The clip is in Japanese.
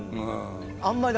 あんまり。